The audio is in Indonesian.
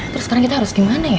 terus sekarang kita harus gimana ya